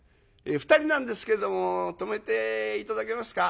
「２人なんですけども泊めて頂けますか？」。